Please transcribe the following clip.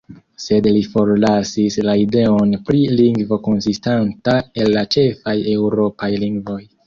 Sed li forlasis la ideon pri lingvo konsistanta el la ĉefaj eŭropaj lingvoj.